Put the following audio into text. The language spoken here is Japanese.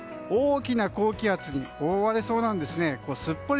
大きな高気圧に覆われそうなんです。